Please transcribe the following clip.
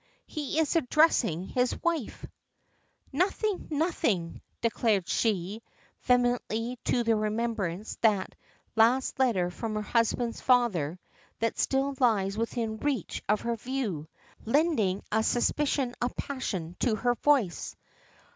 He is addressing his wife. "Nothing, nothing!" declares she, vehemently, the remembrance of that last letter from her husband's father, that still lies within reach of her view, lending a suspicion of passion to her voice.